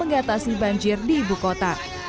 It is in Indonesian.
dan mereka juga mencoba untuk membuat banjir di ibu kota